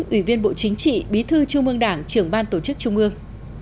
ủy viên bộ chính trị bí thư trung ương đảng trưởng ban tổ chức trung ương